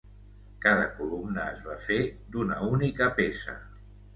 Cada columna es va fer d'una única peça.